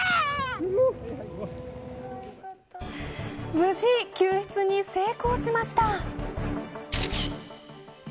無事、救出に成功しました。